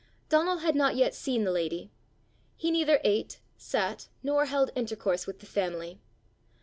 Donal had not yet seen the lady. He neither ate, sat, nor held intercourse with the family.